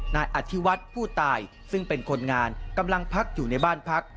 นายอธิวัฒน์ผู้ตายซึ่งเป็นคนงานกำลังพักอยู่ในบ้านพัก